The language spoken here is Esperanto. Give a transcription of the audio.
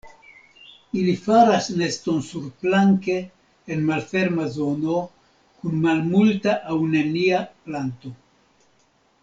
Ili faras neston surplanke en malferma zono kun malmulta aŭ nenia planto.